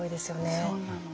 そうなの。